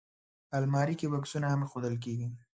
الماري کې بکسونه هم ایښودل کېږي